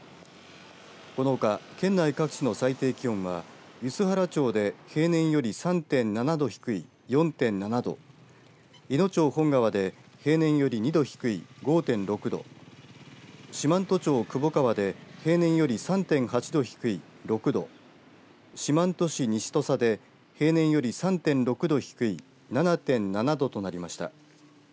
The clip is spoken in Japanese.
このほか、県内各地の最低気温は梼原町で平年より３．７度低い４．７度いの町本川で平年より２度低い、５．６度四万十町窪川で平年より３．８度低い６度四万十市西土佐で平年より３．６度低い７．７度となりました。